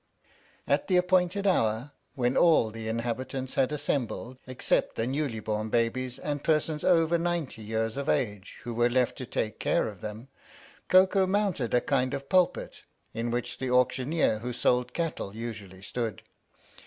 At the appointed hour, when all the inhabitants had assembled except the newly born babies and persons over ninety years of age who were left to take care of them, Koko mounted a kind of pulpit in which the auctioneer who sold cattle usually stood.